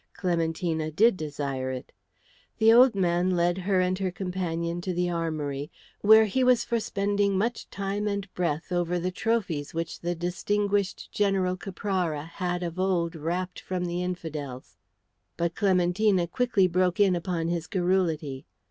Clementina did desire it. The old man led her and her companion to the armoury, where he was for spending much time and breath over the trophies which the distinguished General Caprara had of old rapt from the infidels. But Clementina quickly broke in upon his garrulity.